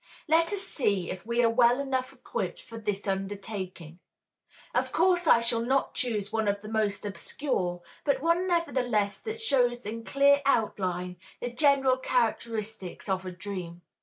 Let us see if we are well enough equipped for this undertaking. Of course, I shall not choose one of the most obscure, but one nevertheless that shows in clear outline the general characteristics of a dream.